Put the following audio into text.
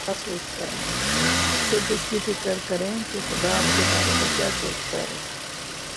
صرف اس کی فکر کریں کہ خدا آپ کے بارے میں کیا سوچتا ہے۔